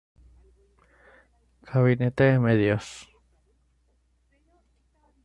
Gabinete de Medios.